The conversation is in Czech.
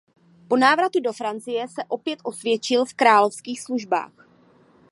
Po návratu do Francie se opět osvědčil v královských službách.